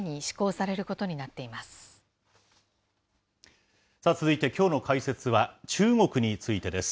さあ、続いてきょうの解説は中国についてです。